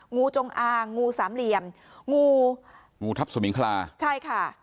งูจงอางงูสามเหลี่ยมงูงูทัพสมิงคลาใช่ค่ะ